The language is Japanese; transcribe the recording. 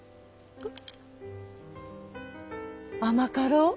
うん。